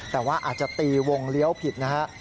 แต่ว่าอาจจะตีวงเลี้ยวผิดนะฮะ